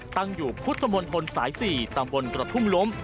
ตั้งอยู่พุทธมนตรสาย๔ตำบลกระทุ่มล้ม